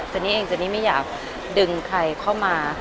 นี่เองเจนี่ไม่อยากดึงใครเข้ามา